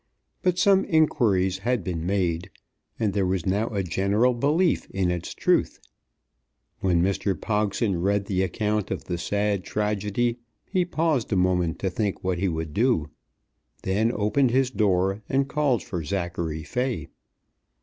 But some inquiries had been made, and there was now a general belief in its truth. When Mr. Pogson read the account of the sad tragedy he paused a moment to think what he would do, then opened his door and called for Zachary Fay.